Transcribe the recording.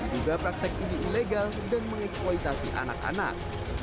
juga praktek ini ilegal dan mengeksploitasi anak anak